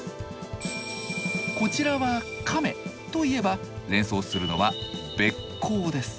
こちらは亀といえば連想するのは鼈甲です。